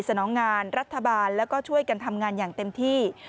นองงานรัฐบาลแล้วก็ช่วยกันทำงานอย่างเต็มที่